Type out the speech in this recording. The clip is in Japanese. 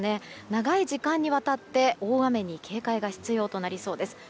長い時間にわたって大雨に警戒が必要となりそうです。